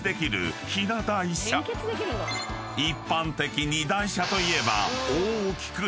［一般的に台車といえば］